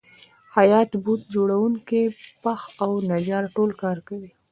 خیاط، بوټ جوړونکی، پښ او نجار ټول کار کوي